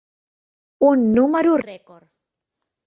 Un número rècord.